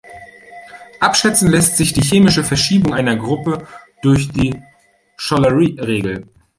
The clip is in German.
Abschätzen lässt sich die chemische Verschiebung einer Gruppe durch die Shoolery-Regel.